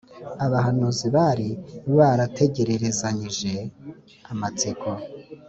abahanuzi bari barategererezanyije amatsiko